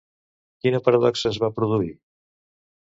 Quina paradoxa es va produir?